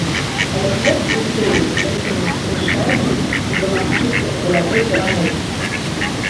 Але хлопцы здолелі закінуць тры шайбы і дамагчыся валявой перамогі.